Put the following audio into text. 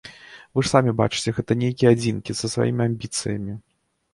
Вы ж самі бачыце, гэта нейкія адзінкі, са сваімі амбіцыямі.